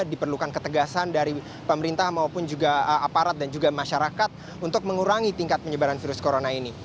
diperlukan ketegasan dari pemerintah maupun juga aparat dan juga masyarakat untuk mengurangi tingkat penyebaran virus corona ini